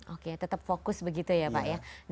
oke tetap fokus begitu ya pak ya